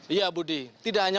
iya budi tidak hanya